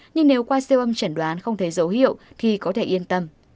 nhưng nếu qua siêu âm chẩn đoán không thấy dấu hiệu thì có thể yên tâm